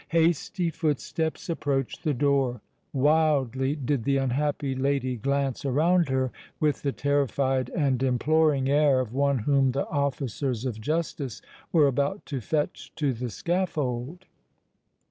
Hasty footsteps approached the door. Wildly did the unhappy lady glance around her—with the terrified and imploring air of one whom the officers of justice were about to fetch to the scaffold.